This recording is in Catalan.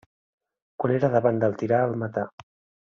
Quan era davant del tirà el matà.